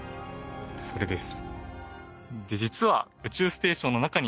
それです。